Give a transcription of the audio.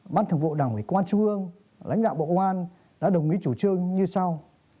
bác thượng vụ đảng quỳnh quang trung ương lãnh đạo bộ ngoan đã đồng ý chủ trương như sau